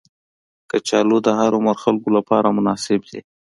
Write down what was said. کچالو د هر عمر خلکو لپاره مناسب دي